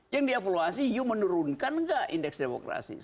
yang dia evaluasi you menurunkan nggak indeks demokrasi